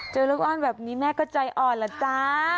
ลูกอ้อนแบบนี้แม่ก็ใจอ่อนล่ะจ๊ะ